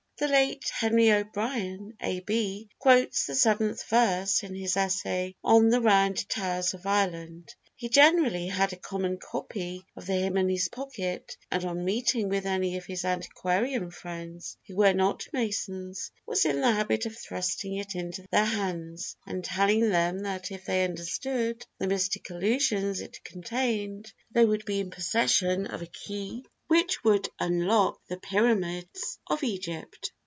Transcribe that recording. The late Henry O'Brien, A.B., quotes the seventh verse in his essay On the Round Towers of Ireland. He generally had a common copy of the hymn in his pocket, and on meeting with any of his antiquarian friends who were not Masons, was in the habit of thrusting it into their hands, and telling them that if they understood the mystic allusions it contained, they would be in possession of a key which would unlock the pyramids of Egypt!